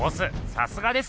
さすがです。